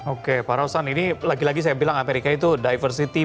oke pak rosan ini lagi lagi saya bilang amerika itu diversity